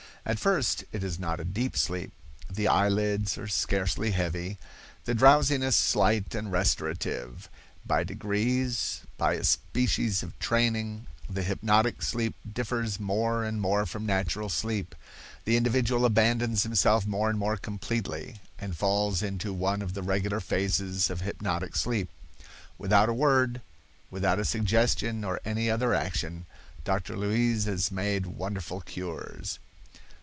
At first it is not a deep sleep, the eye lids are scarcely heavy, the drowsiness slight and restorative. By degrees, by a species of training, the hypnotic sleep differs more and more from natural sleep, the individual abandons himself more and more completely, and falls into one of the regular phases of hypnotic sleep. Without a word, without a suggestion or any other action, Dr. Luys has made wonderful cures.